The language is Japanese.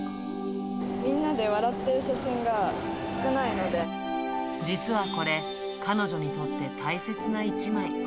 みんなで笑ってる写真が少な実はこれ、彼女にとって大切な一枚。